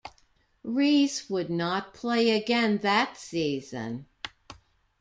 Reyes would not play again that season.